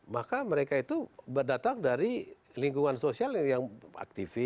maka mereka itu berdatang dari lingkungan sosial yang aktif